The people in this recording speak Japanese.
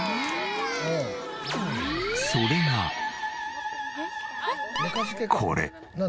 それがこれ。